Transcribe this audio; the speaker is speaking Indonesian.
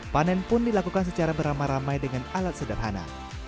panen pun dilakukan secara beramai ramai dengan alat sederhana